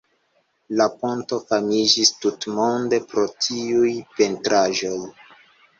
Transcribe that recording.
La ponto famiĝis tutmonde pro tiuj pentraĵoj.